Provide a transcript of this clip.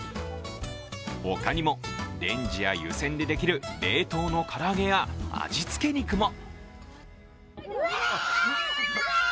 他にもレンジや湯せんでできる冷凍の唐揚げや味付け肉も。